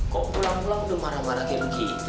kok pulang pulang udah marah marah kayak begitu